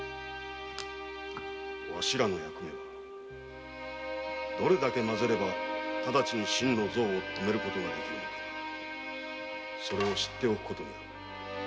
わしらの役目はどれだけ混ぜれば直ちに心の臓を止める事ができるかを知っておく事だ。